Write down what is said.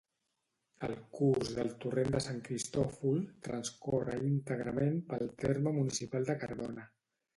El curs del Torrent de Sant Cristòfol transcorre íntegrament pel terme municipal de Cardona.